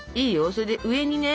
それで上にね